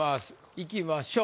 いきましょう。